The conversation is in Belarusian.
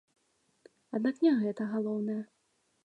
Аднак не гэта галоўнае.